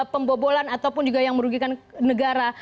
pembobolan ataupun juga yang merugikan negara